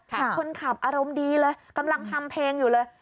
คนขับอารมณ์ดีเลยกำลังทำเพลงอยู่เลย